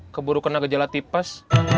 keburu kena gejala tipes